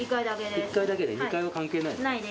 １階だけね２階は関係ないの？